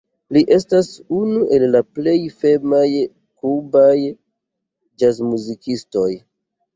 Li estas unu el la plej famaj kubaj ĵazmuzikistoj.